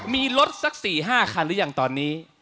มีรถสัก๔๕คันหรือยังตอนนี้